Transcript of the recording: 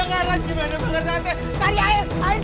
untuk aja nggak kena aduh bosnya kebakaran